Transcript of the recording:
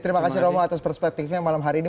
terima kasih romo atas perspektifnya malam hari ini